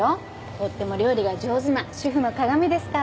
とっても料理が上手な主婦の鑑ですから。